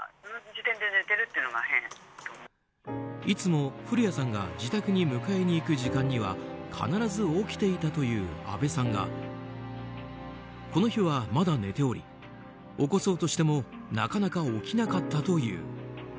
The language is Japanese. いつも古家さんが自宅に迎えに行く時間には必ず起きていたというあべさんがこの日はまだ寝ており起こそうとしてもなかなか起きなかったという。